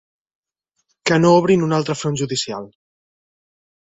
Que no obrin un altre front judicial